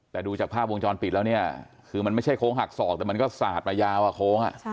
แต่ดูจากภาพวงจรปิดแล้วเนี่ยคือมันไม่ใช่โค้งหักศอกแต่มันก็สาดมายาวโค้ง